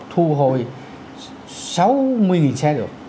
thu hồi sáu mươi xe được